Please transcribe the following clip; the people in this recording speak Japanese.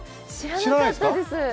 知らなかったですか？